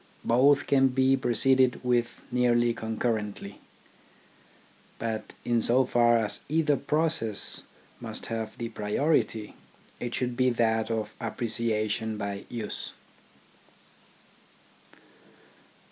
Both can be pro ceeded with nearly concurrently. But in so far as either process must have the priority, it should be that of appreciation by use.